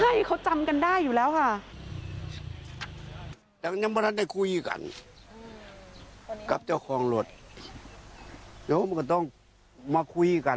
ใช่เขาจำกันได้อยู่แล้วค่ะ